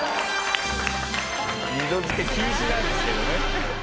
二度づけ禁止なんですけどね。